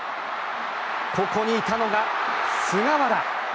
ここにいたのが、菅原。